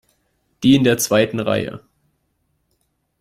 Die in der zweiten Reihe.